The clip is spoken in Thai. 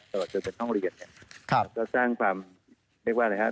แต่ว่าเกิดเป็นห้องเรียนเนี่ยก็สร้างความเรียกว่าอะไรครับ